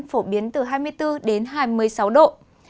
phổ biến từ hai mươi bốn đến hai mươi sáu độ